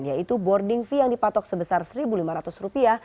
yaitu boarding fee yang dipatok sebesar satu lima ratus rupiah